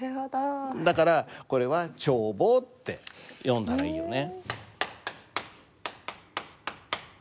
だからこれは「ちょうぼう」って読んだらいいよね。